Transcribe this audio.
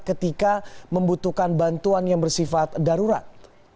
ketika membutuhkan bantuan yang bersifat darurat